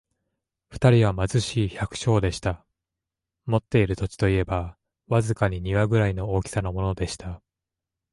二人は貧しい百姓でした。持っている土地といえば、わずかに庭ぐらいの大きさのものでした。